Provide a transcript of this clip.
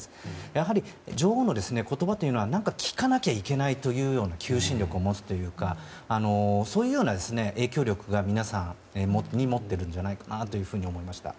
やはり女王の言葉というのは聞かなきゃいけないというような求心力を持つというか影響力を皆さんに持っているんじゃないかなと思いました。